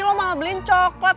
lo malah beliin coklat